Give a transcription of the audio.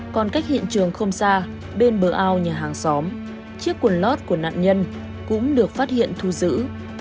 còn cách hiện trường không xa bên bờ ao nhà hàng xóm chiếc quần lót của nạn nhân cũng được phát hiện thu giữ